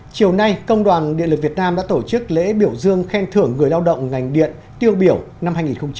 chiều nay công đoàn điện lực việt nam đã tổ chức lễ biểu dương khen thưởng người lao động ngành điện tiêu biểu năm hai nghìn hai mươi bốn